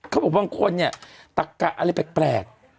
เขาบอกบางคนเนี่ยตะกะอะไรแปลก